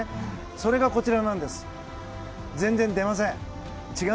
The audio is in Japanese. それがこちらなんです。